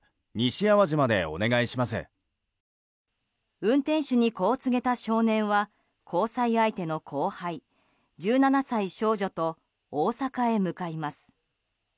運転手にこう告げた少年は交際相手の後輩、１７歳少女と大阪へ向かいます。